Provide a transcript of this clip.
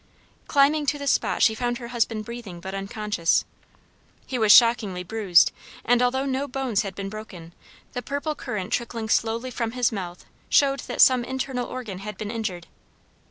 Climbing to the spot she found her husband breathing but unconscious. He was shockingly bruised, and although no bones had been broken, the purple current trickling slowly from his mouth showed that some internal organ had been injured.